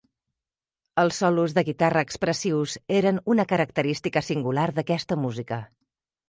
Els solos de guitarra expressius eren una característica singular d'aquesta música.